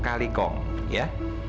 kali kong ya